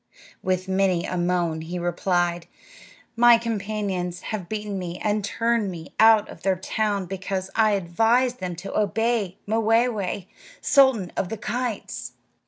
With many a moan he replied, "My companions have beaten me and turned me out of their town because I advised them to obey Mwayway, sultan of the kites."